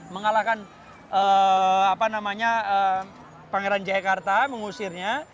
mengalahkan pangeran jaya karta mengusirnya